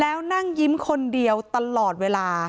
แล้วนั่งยิ้มคนเดียวตลอดเวลา